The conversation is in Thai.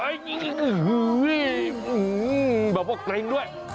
แบบเขาเกรงด้วย